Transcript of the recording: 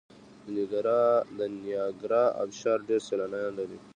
د نیاګرا ابشار ډیر سیلانیان لري.